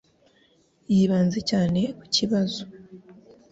Yibanze cyane ku kibazo.